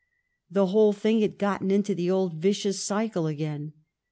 The whole thing had got into the old vicious circle again.